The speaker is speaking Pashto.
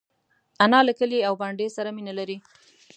انا له کلي او بانډې سره مینه لري